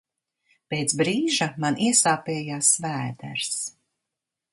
Pēc brīža man iesāpējās vēders.